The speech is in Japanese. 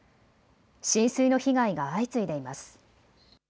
浸水の被害が相次いでいます。